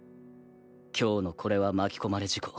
今日のこれは巻き込まれ事故